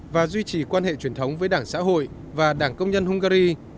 và duy trì quan hệ truyền thống với đảng xã hội và đảng công nhân hungary